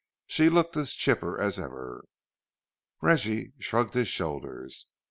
"She looked as chipper as ever." Reggie shrugged his shoulders.